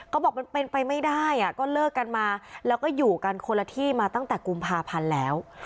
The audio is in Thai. ก็บอกมันเป็นไปไม่ได้ก็เลิกกันมาแล้วก็อยู่กันคนละที่มาตั้งแต่กุมภาพันธ์แล้ว